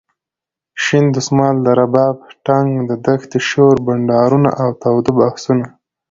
شین دسمال ،د رباب ټنګ د دښتې شور ،بنډارونه اوتاوده بحثونه.